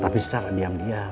tapi secara diam diam